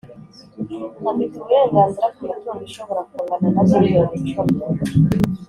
afite uburenganzira ku mitungo ishobora kungana na miliyoni icumi